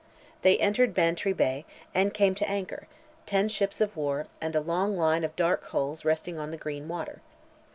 They entered Bantry Bay, and came to anchor, ten ships of war, and "a long line of dark hulls resting on the green water."